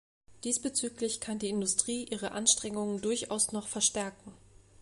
Diesbezüglich kann die Industrie ihre Anstrengungen durchaus noch verstärken.